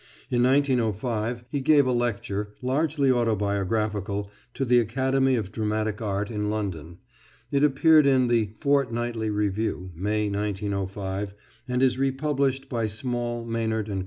In 1905 he gave a lecture, largely autobiographical, to the Academy of Dramatic Art in London. It appeared in the Fortnightly Review, May, 1905, and is republished by Small, Maynard & Co.